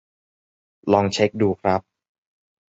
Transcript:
ลองเช็กดูครับ